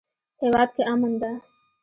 هیواد کې امن ده